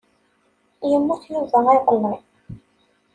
Yemmut Yuba iḍelli.